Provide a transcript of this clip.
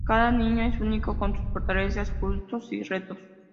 Cada niño es único con sus fortalezas, gustos y retos.